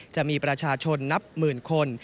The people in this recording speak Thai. จะมีประชาชนนับหมื่นคน